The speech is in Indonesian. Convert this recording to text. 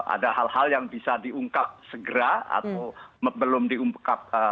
ada hal hal yang bisa diungkap segera atau belum diungkap